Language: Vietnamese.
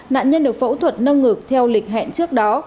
nạn nhân được phẫu thuật nâng ngực theo lịch hẹn trước đó